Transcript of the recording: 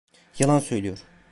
Yalan söylüyor!